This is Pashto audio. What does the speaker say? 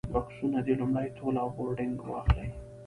بکسونه دې لومړی تول او بورډنګ واخلي.